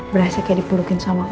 berasa kayak dipurukin sama